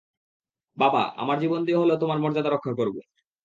বাবা, আমার জীবন দিয়ে হলেও তোমার মর্যাদা রক্ষা করব।